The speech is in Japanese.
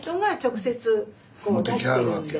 持ってきはるわけや。